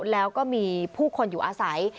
แล้วก็มีผู้คนอยู่อาศัย